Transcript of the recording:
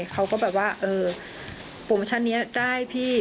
เขาก็แบบว่าเออโปรโมชั่นนี้ได้พี่